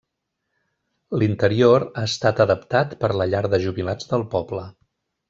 L'interior ha estat adaptat per la llar de jubilats del poble.